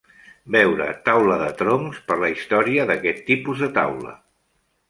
Veure taula de troncs per la història d'aquest tipus de taula.